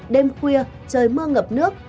đêm khuya trời mưa ngập nước